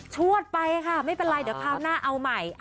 วดไปค่ะไม่เป็นไรเดี๋ยวคราวหน้าเอาใหม่